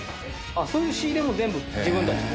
そういう仕入れも全部自分たちで？